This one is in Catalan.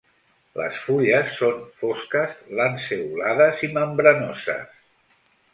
Les fulles són fosques, lanceolades i membranoses.